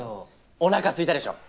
お腹すいたでしょ？